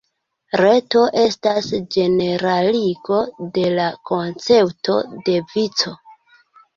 Reto estas ĝeneraligo de la koncepto de vico.